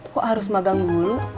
kok harus magang dulu